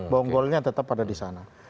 bonggolnya tetap ada disana